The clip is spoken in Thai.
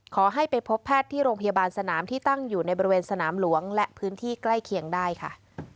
ขอให้ไปพบแพทย์ที่โรงพยาบาลสนามที่ตั้งอยู่ในบริเวณสนามหลวงและพื้นที่ใกล้เคียงได้ค่ะ